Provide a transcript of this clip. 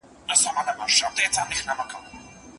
يو د بل پوهه، فکر او آداب به درک کړي.